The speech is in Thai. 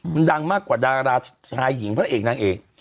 มันดังมากกว่าดาราชายหญิงพระเอกนางเอก